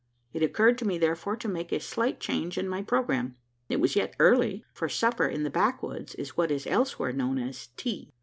It occurred to me, therefore, to make a slight change in my programme. It was yet early for supper in the backwoods is what is elsewhere known as "tea."